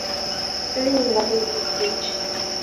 — Лийын, Валерий Викторович.